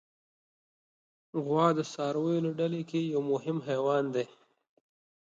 غوا د څارویو له ډله کې یو مهم حیوان دی.